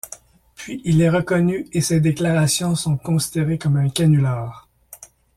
Puis il est reconnu et ses déclarations sont considérées comme un canular.